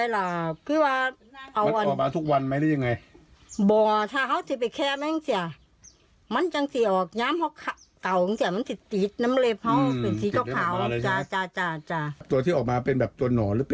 ลาก่อเป็นตัวดำนัยถ้ามันตกแกน่ะนะ